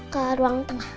ke ruang tengah